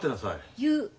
言う。